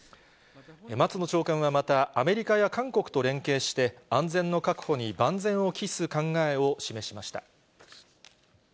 松野長官はまた、アメリカや韓国と連携して、安全の確保に万全を期す考えを示しました。